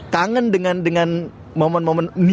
kangen dengan momen momen